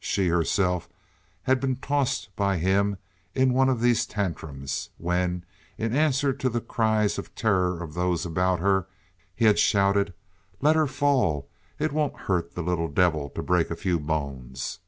She, herself, had been tossed by him in one of these tantrums, when, in answer to the cries of terror of those about her, he had shouted: "Let her fall! It won't hurt the little devil to break a few bones."